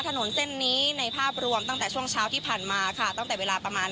ถนนเส้นนี้ในภาพรวมตั้งแต่ช่วงเช้าที่ผ่านมาค่ะตั้งแต่เวลาประมาณ